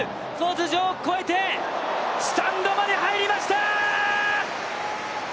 頭上を越えて、スタンドまで入りました！